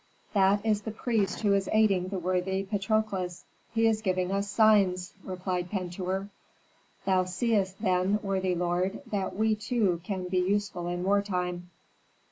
"That is the priest who is aiding the worthy Patrokles; he is giving us signs," replied Pentuer. "Thou seest, then, worthy lord, that we, too, can be useful in war time."